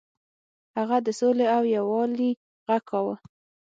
هغه د سولې او یووالي غږ کاوه.